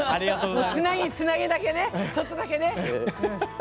つなぎだけねちょっとだけね。